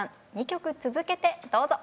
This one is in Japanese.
２曲続けてどうぞ。